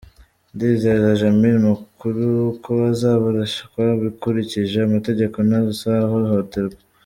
Ndizeza Jamil Mukulu ko azaburanishwa bikurikije amategeko ntazahohoterwa.